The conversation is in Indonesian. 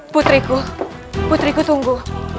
putriku putriku tunggu